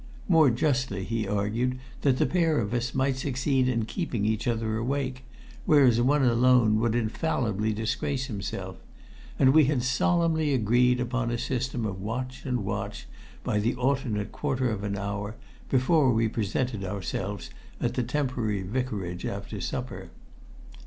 More justly, he argued that the pair of us might succeed in keeping each other awake, whereas one alone would infallibly disgrace himself; and we had solemnly agreed upon a system of watch and watch, by the alternate quarter of an hour, before we presented ourselves at the temporary vicarage after supper.